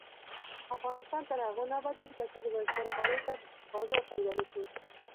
افغانستان تر هغو نه ابادیږي، ترڅو د بزګر خوارۍ ته بازار پیدا نشي.